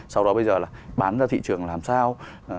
sau đó bây giờ là bán ra thị trường làm sao